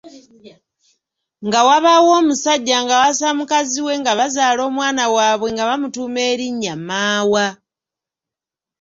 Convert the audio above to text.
Nga wabaawo omusajja ng’awasa mukazi we nga bazaala omwana waabwe nga bamutuuma erinnya Maawa.